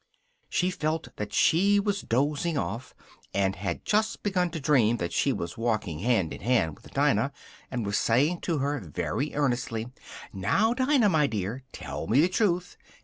She felt that she was dozing off, and had just begun to dream that she was walking hand in hand with Dinah, and was saying to her very earnestly, "Now, Dinah, my dear, tell me the truth.